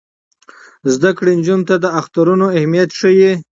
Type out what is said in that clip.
زده کړه نجونو ته د اخترونو اهمیت ښيي.